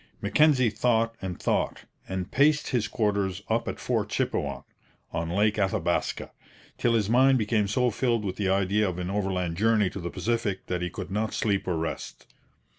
Mackenzie thought and thought, and paced his quarters up at Fort Chipewyan, on Lake Athabaska, till his mind became so filled with the idea of an overland journey to the Pacific that he could not sleep or rest.